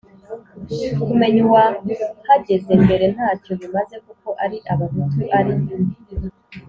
kumenya uwahageze mbere ntacyo bimaze kuko ari abahutu, ari